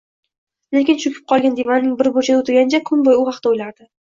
lekin choʻkib qolgan divanning bir burchida oʻtirgancha kun boʻyi u haqda oʻylardi.